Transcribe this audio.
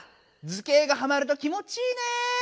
図形がはまるときもちいいね。